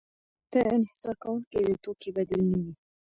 د انحصار کوونکي د توکې بدیل نه وي.